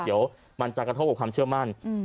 เดี๋ยวมันจะกระทบกับความเชื่อมั่น